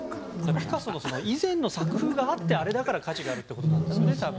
ピカソの以前の作風があってあれだから価値があるということなんでしょうね。